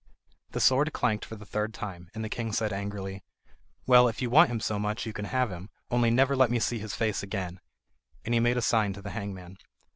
The sword clanked for the third time, and the king said angrily: "Well, if you want him so much you can have him; only never let me see his face again." And he made a sign to the hangman.